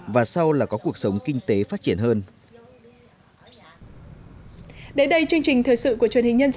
và sau là có cuộc sống kinh tế phát triển hơn